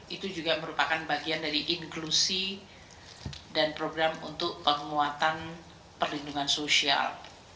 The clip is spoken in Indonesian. itu juga merupakan bagian dari inklusi dan program untuk penguatan perlindungan sosial